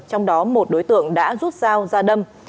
trong đó một đối tượng đã rút dao ra đâm